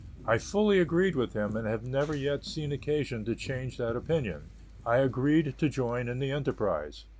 I fully agreed with him, and have never yet seen occasion to change that opinion. I agreed to join in the enterprise.